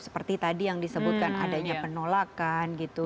seperti tadi yang disebutkan adanya penolakan gitu